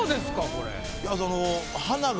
これ。